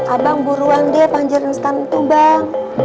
abang buruan dia panjirin stam itu bang